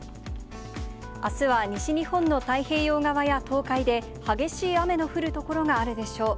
あすは西日本の太平洋側や東海で、激しい雨の降る所があるでしょう。